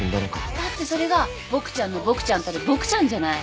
だってそれがボクちゃんのボクちゃんたるボクちゃんじゃない。